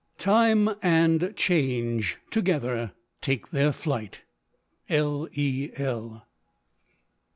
Time and Change tog ether take their flight. L. E. L.